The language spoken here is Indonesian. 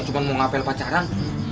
cuma mau ngapel pacaran